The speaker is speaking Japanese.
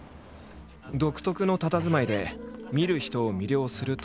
独特のたたずまいで見る人を魅了する冨永。